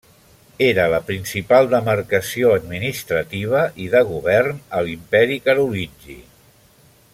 Era la principal demarcació administrativa i de govern a l'Imperi carolingi.